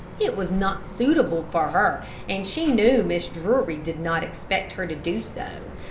It was not suitable for her, and she knew Mrs. Drury did not expect her to do so.